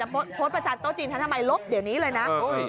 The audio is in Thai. พต์มัจจันโต๊ะจีนนะทำไมลบเดี๋ยวนี้เลยนะ